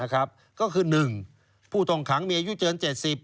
ก็คือ๑ผู้ต้องขังมีอายุเกิน๗๐